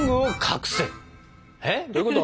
えっどういうこと？